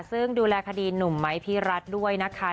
ซึ่งดูแลคดีหนุ่มไม้พี่รัฐด้วยนะคะ